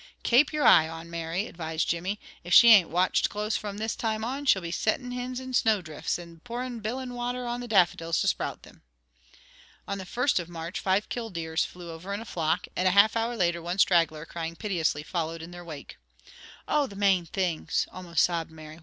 "Kape your eye on, Mary" advised Jimmy. "If she ain't watched close from this time on, she'll be settin' hins in snowdrifts, and pouring biling water on the daffodils to sprout them." On the first of March, five killdeers flew over in a flock, and a half hour later one straggler crying piteously followed in their wake. "Oh, the mane things!" almost sobbed Mary.